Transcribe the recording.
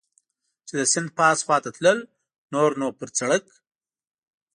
چې د سیند پاس خوا ته تلل، نور نو پر سړک.